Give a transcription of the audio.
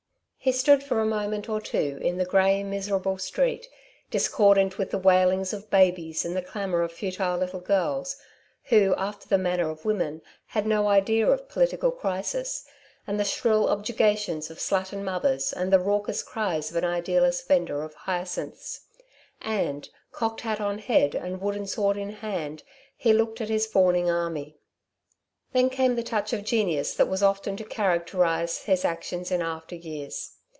He stood for a moment or two, in the grey, miserable street discordant with the wailings of babies and the clamour of futile little girls, who, after the manner of women, had no idea of political crisis, and the shrill objurgations of slattern mothers and the raucous cries of an idealist vendor of hyacinths, and, cocked hat on head and wooden sword in hand, he looked at his fawning army. Then came the touch of genius that was often to characterize his actions in after years.